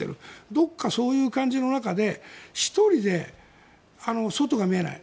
どこかそういう感じの中で１人、外が見えない。